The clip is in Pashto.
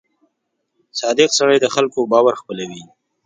• صادق سړی د خلکو باور خپلوي.